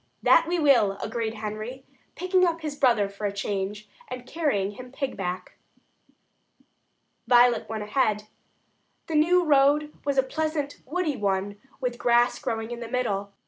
"That we will," agreed Henry, picking up his brother for a change, and carrying him "pig back." Violet went ahead. The new road was a pleasant woody one, with grass growing in the middle.